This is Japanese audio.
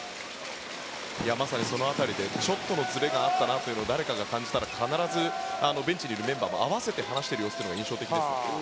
まさにその辺りでちょっとのずれがあったなと誰かが感じたら必ずベンチにいるメンバーも合わせて話している様子が印象的です。